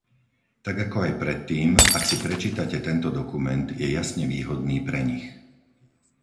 Tak, ako aj predtým, ak si prečítate tento dokument, je jasne výhodný pre nich.